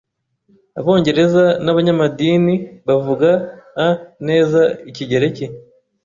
Abongereza nabanyamadini bavuga a neza Ikigereki